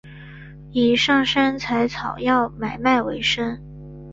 以上山采草药买卖为生。